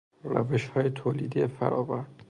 روشهای تولیدی فرآور